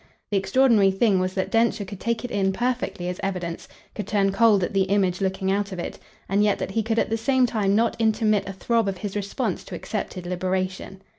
The extraordinary thing was that Densher could take it in perfectly as evidence, could turn cold at the image looking out of it; and yet that he could at the same time not intermit a throb of his response to accepted liberation.